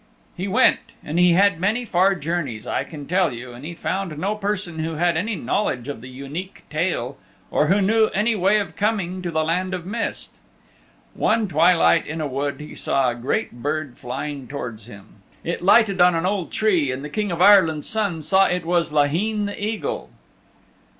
He went, and he had many far journeys, I can tell you, and he found no person who had any knowledge of the Unique Tale or who knew any way of coming to the Land of Mist. One twilight in a wood he saw a great bird flying towards him. It lighted on an old tree, and the King of Ireland's Son saw it was Laheen the Eagle.